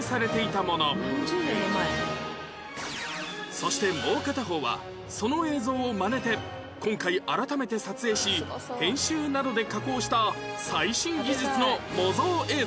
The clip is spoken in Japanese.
そしてもう片方はその映像をマネて今回改めて撮影し編集などで加工した最新技術の模造映像